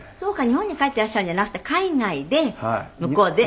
日本に帰っていらしたんじゃなくて海外で向こうで。